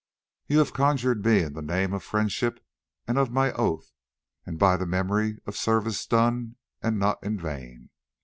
"You have conjured me in the name of friendship and of my oath, and by the memory of service done, and not in vain.